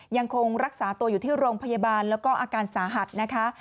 ยังคงรักษาตัวอยู่ที่โรงพยาบาลแล้วก็อาการสาหัสนะคะ